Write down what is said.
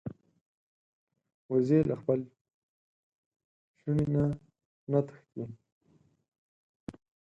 وزې له خپل چوڼي نه نه تښتي